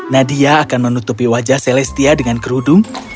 nadia akan menutupi wajah celestia dengan kerudung